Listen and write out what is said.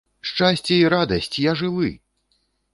Шчасце і радасць, я жывы!